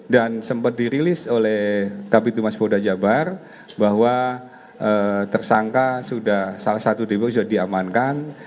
dan sempat dirilis oleh kabupaten mas polda jabar bahwa tersangka salah satu dpo sudah diamankan